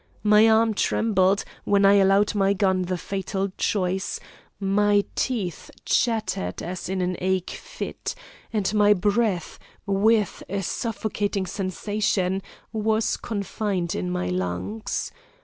My arm trembled, when I allowed my gun the fatal choice, my teeth chattered as in an ague fit, and my breath, with a suffocating sensation, was confined in my lungs.